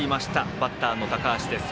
バッターの高橋。